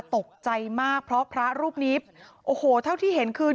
ตกใจมากเพราะพระรูปนี้โอ้โหเท่าที่เห็นคือ